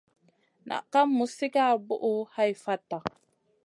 Naʼ ka muz sigara buʼu hai fata.